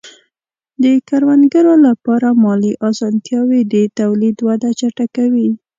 د کروندګرو لپاره مالي آسانتیاوې د تولید وده چټکوي.